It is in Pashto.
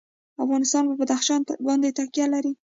افغانستان په بدخشان باندې تکیه لري.